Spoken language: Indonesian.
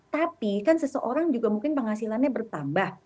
tapi kan seseorang juga mungkin penghasilannya bertambah